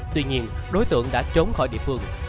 tuy nhiên đối tượng đã trốn khỏi địa phương